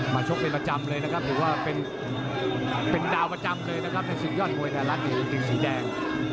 มาชกเป็นประจำเลยนะครับถือว่าเป็นเป็นดาวประจำเลยนะครับในสิ่งยอดมวยแต่ละทีมสีแดง